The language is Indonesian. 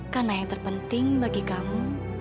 karena yang terpenting bagi kamu